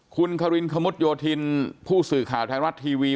คุณคารินขมุดโยธินผู้สื่อข่าวไทยรัฐทีวี